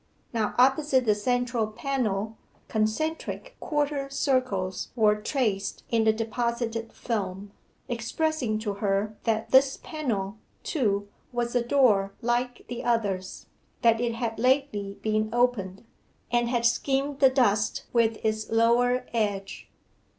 Now opposite the central panel, concentric quarter circles were traced in the deposited film, expressing to her that this panel, too, was a door like the others; that it had lately been opened, and had skimmed the dust with its lower edge.